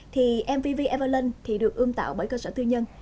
thì mvv evalon thì được ươm tạo bởi cơ sở tư nhân